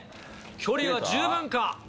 距離は十分か。